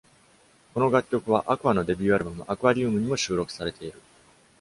この楽曲は、アクアのデビューアルバム「アクアリウム」にも収録されている。